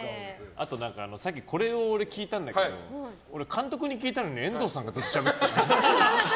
あと、さっきこれを俺、聞いたんだけど監督に聞いたのに遠藤さんがずっとしゃべってたよね。